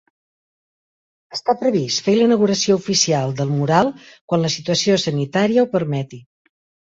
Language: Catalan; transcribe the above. Està previst fer la inauguració oficial del mural quan la situació sanitària ho permeti.